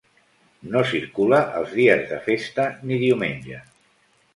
No circula els dies de festa ni diumenge.